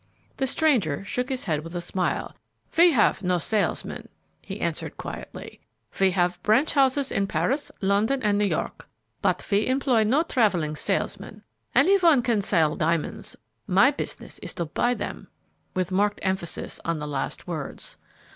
The stranger shook his head with a smile. "We have no salesmen," he answered, quietly. "We have branch houses in Paris, London, and New York, but we employ no travelling salesmen. Any one can sell diamonds; my business is to buy them," with marked emphasis on the last words.